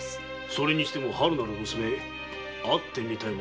それにしても「春」なる娘会ってみたいものだな。